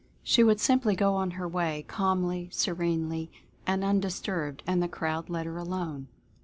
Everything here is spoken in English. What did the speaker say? She would simply go on her way calmly, serenely and un disturbed, and the crowd let her alone.